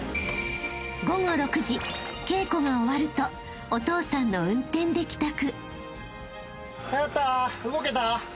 ［稽古が終わるとお父さんの運転で帰宅］